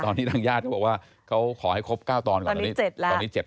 ตอนนี้ทางญาติบอกว่าเขาขอให้ครบ๙ตอนก่อน